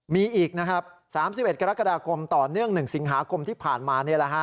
มีอีกนะครับ๓๑กรกฎาคมต่อเนื่อง๑สิงหาคมที่ผ่านมา